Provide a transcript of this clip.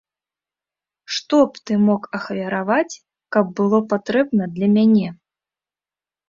Што б ты мог ахвяраваць, каб было патрэбна для мяне?